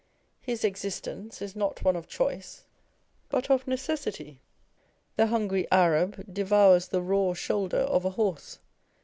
His existence not one of choice, but of necessity. The hungry Arab devours the raw shoulder of a horse.